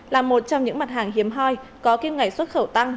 là một trong những mặt hàng hiếm hoi có kim ngạch xuất khẩu tăng